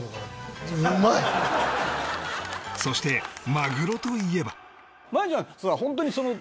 そしてマグロといえば